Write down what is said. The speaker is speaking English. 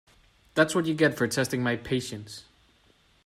That’s what you get for testing my patience.